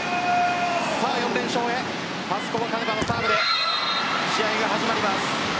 ４連勝へパスコバカネバのサーブで試合が始まります。